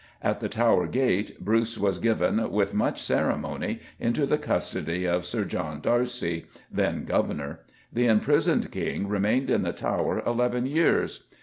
At the Tower gate Bruce was given, with much ceremony, into the custody of Sir John d'Arcy, then Governor. The imprisoned King remained in the Tower eleven years.